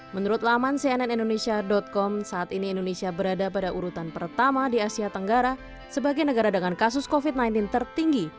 menurut laman cnnindonesia com saat ini indonesia berada pada urutan pertama di asia tenggara sebagai negara dengan kasus covid sembilan belas tertinggi